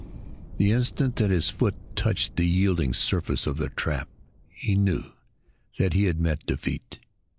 The instant that his foot touched the yielding surface of the trap, he knew that he had met defeat.